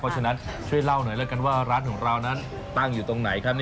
เพราะฉะนั้นช่วยเล่าหน่อยแล้วกันว่าร้านของเรานั้นตั้งอยู่ตรงไหนครับ